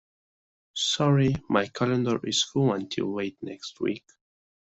Sorry, my calendar is full until late next week.